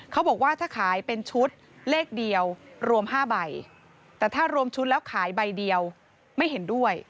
เขาบอกว่าถ้าขายเป็นชุดเลขเดียวรวม๕ใบแต่ถ้ารวมชุดแล้วขายใบเดียวไม่เห็นด้วย